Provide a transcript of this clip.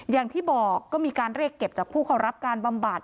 อย่างที่บอกก็มีการเรียกเก็บจากผู้เขารับการบำบัด